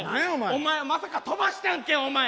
お前まさか飛ばしたんけお前！